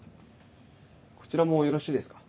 こちらもよろしいですか？